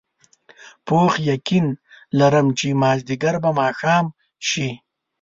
پوخ یقین لرم چې مازدیګر به ماښام شي.